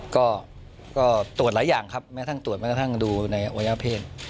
ก็ตรวจหลายอย่างครับไม่ทั้งตรวจไม่ทั้งดูในโยเย่าเพศ